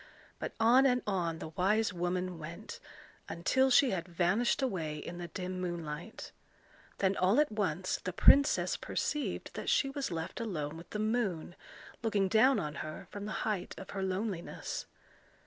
But on and on the wise woman went, until she had vanished away in the dim moonlight. Then all at once the princess perceived that she was left alone with the moon, looking down on her from the height of her loneliness.